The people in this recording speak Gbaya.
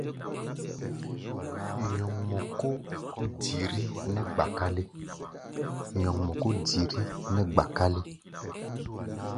Nyɔŋmɔ kó diri nɛ́ gba-kálé.